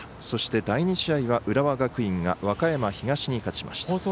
そして、第２試合は浦和学院が和歌山東に勝ちました。